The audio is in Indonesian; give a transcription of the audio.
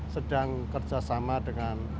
sedang kerjasama dengan